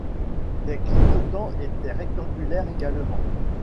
Les clignotants étaient rectangulaires également.